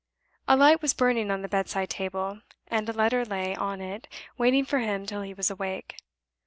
A light was burning on the bedside table, and a letter lay on it, waiting for him till he was awake.